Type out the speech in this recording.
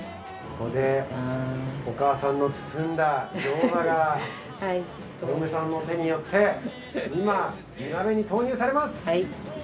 ここでお母さんの包んだ餃子がお嫁さんの手によって今鍋に投入されます。